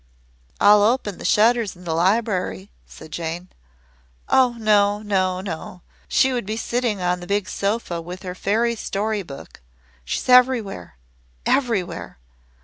"I'll open the shutters in the library," said Jane. "Oh! No! No! No! She would be sitting on the big sofa with her fairy story book. She's everywhere everywhere!